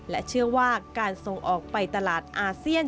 และเชื่อว่าการส่งออกไปตลาดอาเซียน